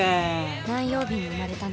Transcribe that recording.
「何曜日に生まれたの」。